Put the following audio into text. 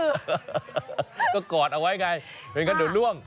เนี้ยเนี้ยก็กอดเอาไว้มาไงเพราะฉะนั้นเดี๋ยวล่วง